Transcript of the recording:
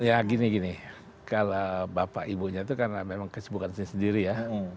ya gini gini kalau bapak ibunya itu karena memang kesibukan sendiri ya